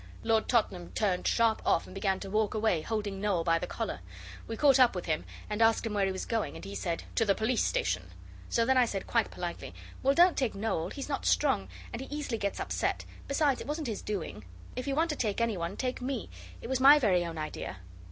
Lord Tottenham turned sharp off and began to walk away, holding Noel by the collar. We caught up with him, and asked him where he was going, and he said, 'To the Police Station.' So then I said quite politely, 'Well, don't take Noel; he's not strong, and he easily gets upset. Besides, it wasn't his doing. If you want to take any one take me it was my very own idea.